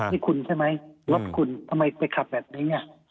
นี่คุณใช่ไหมรถคุณทำไมไปขับแบบนี้